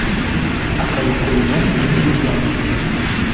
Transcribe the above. akayikorera imbere y'uzamugenzura